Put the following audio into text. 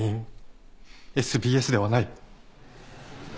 ＳＢＳではない。